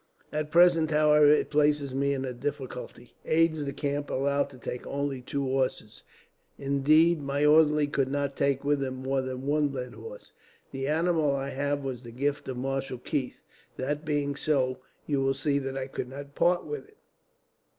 At present, however, it places me in a difficulty. Aides de camp are allowed to take only two horses; indeed, my orderly could not take with him more than one led horse. The animal I have was the gift of Marshal Keith. That being so, you will see that I could not part with it.